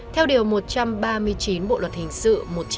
theo điều một trăm ba mươi chín bộ luật hình sự một nghìn chín trăm chín mươi chín